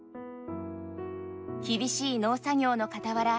厳しい農作業のかたわら